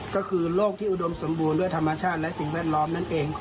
ก็คือโรคที่อุดมสมบูรณ์ด้วยธรรมชาติและสิ่งแวดล้อมนั่นเอง